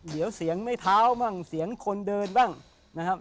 เดี๋ยวเสียงไม่เท้าบ้างเสียงคนเดินบ้างนะครับ